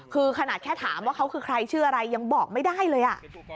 คือขนาดแค่ถามว่าเขาคือใครชื่ออะไรยังบอกไม่ได้เลย